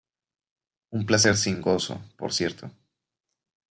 Un placer sin gozo, por cierto.